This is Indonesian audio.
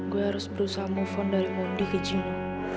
gue harus berusaha move on dari mondi ke gino